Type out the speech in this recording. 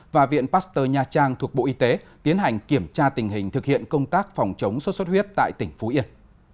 và viện pasteur nha trang thuộc bộ y tế tiến hành kiểm tra tình hình thực hiện công tác phòng chống sốt xuất huyết tại tỉnh phú yên